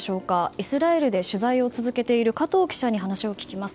イスラエルで取材を続けている加藤記者に話を聞きます。